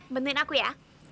bantuin aku ya